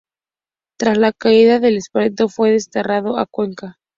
Tras la caída de Espartero, fue desterrado a Cuenca.